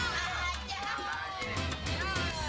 satu dua tiga